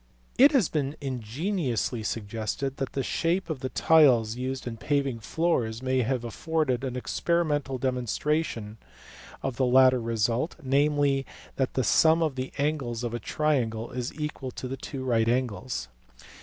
It has been ingeniously suggested that the shape of the tiles used in paving floors may have afforded an experimental demonstration of the latter result, namely, that the sum of the angles of a triangle is equal to two right angles.